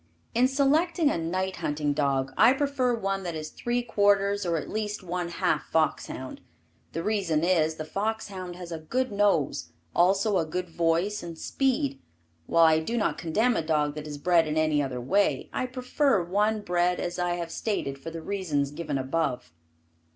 In selecting a night hunting dog I prefer one that is three quarters or at least one half fox hound. The reason is, the fox hound has a good nose, also a good voice and speed. While I do not condemn a dog that is bred in any other way, I prefer one bred as I have stated for the reasons given above.